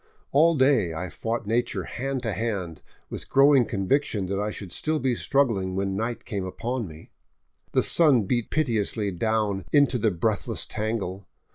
All day I fought nature hand to hand, with the growing conviction that I should still be struggling when night came upon me. The sun beat pitilessly down into the breathless tangle.